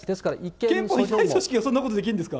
憲法にないのにそんなことできるんですか？